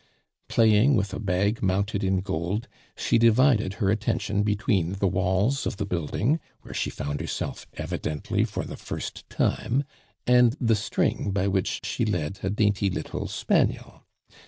Playing with a bag mounted in gold, she divided her attention between the walls of the building, where she found herself evidently for the first time, and the string by which she led a dainty little spaniel.